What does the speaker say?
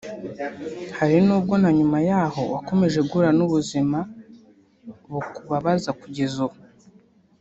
Hari n’ubwo na nyuma yaho wakomeje guhura n’ubuzima bukubabaza kugeza ubu